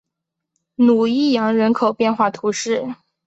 努伊扬人口变化图示